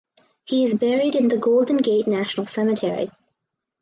He is buried in the Golden Gate National Cemetery.